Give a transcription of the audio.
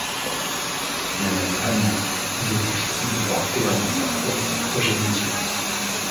Mais, vraiment, il est difficile de voir clair dans sa propre progéniture.